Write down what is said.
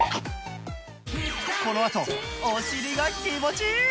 このあとお尻が気持ちいい！